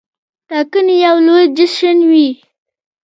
ټاکنې یو لوی جشن وي.